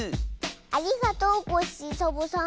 ありがとうコッシーサボさん。